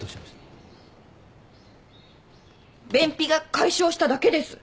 便秘が解消しただけです。